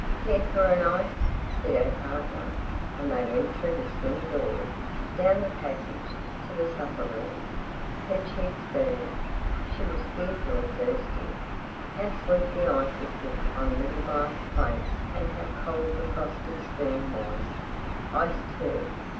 "Care for an ice?" said her partner. And they went through the swing doors, down the passage, to the supper room. Her cheeks burned, she was fearfully thirsty. How sweet the ices looked on little glass plates and how cold the frosted spoon was, iced too!